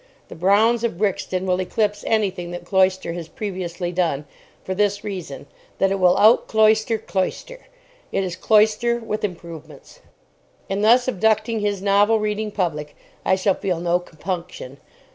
The Browns of Brixton will eclipse anything that Cloyster has previously done, for this reason, that it will out Cloyster Cloyster. It is Cloyster with improvements. In thus abducting his novel reading public I shall feel no compunction.